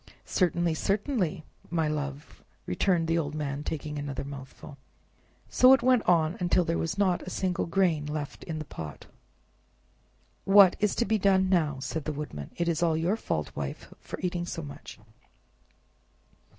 "Certainly, certainly, my love!" returned the old man, taking another mouthful. So it went on, till there was not a single grain left in the pot. "What's to be done now?" said the Woodman; "it is all your fault, Wife, for eating so much."